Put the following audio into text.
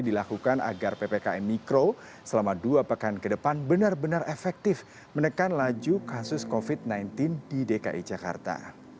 dilakukan agar ppkm mikro selama dua pekan ke depan benar benar efektif menekan laju kasus covid sembilan belas di dki jakarta